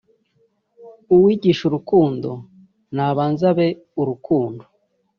uwigisha urukundo nabanze abe urukundo